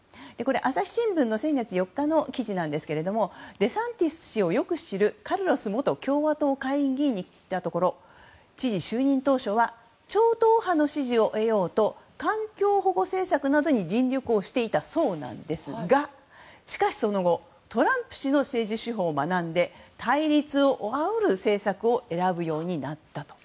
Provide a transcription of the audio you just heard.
朝日新聞の先月４日の記事ですがデサンティス氏をよく知るカルロス元共和党下院議員に聞いたところ知事就任当初は超党派の支持を得ようと環境保護政策などに尽力をしていたそうですがしかしその後トランプ氏の政治手法を学んで対立をあおる政策を選ぶようになったと。